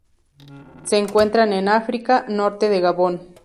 Se encuentran en África: norte de Gabón.